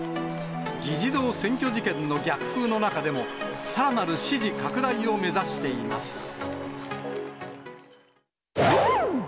議事堂占拠事件の逆風の中でも、さらなる支持拡大を目指しています。